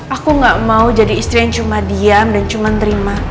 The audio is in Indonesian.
aku gak mau jadi istri yang cuma diam dan cuma terima